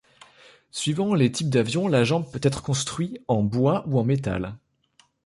Suivant les types d'avions la jambe peut être construit en bois ou en métal.